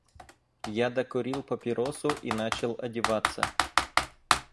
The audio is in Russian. Я докурил папиросу и начал одеваться.